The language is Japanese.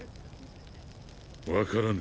分からぬ。